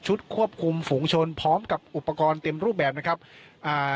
ควบคุมฝูงชนพร้อมกับอุปกรณ์เต็มรูปแบบนะครับอ่า